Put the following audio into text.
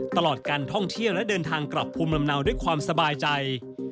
ตลอดการท่องเที่ยวและเดินทางกลับภูมิลำเนาด้วยความสบายใจ